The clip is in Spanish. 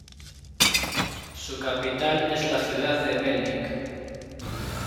Su capital es la ciudad de Mělník.